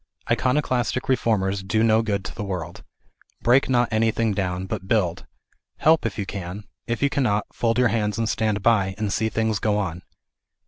Iconoclastic reformers do no good to the world. Break not anything down, but build. Help, if you can ; if you cannot, fold your hands and stand by, and see things go on.